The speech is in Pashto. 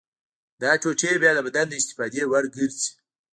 دا ټوټې بیا د بدن د استفادې وړ ګرځي.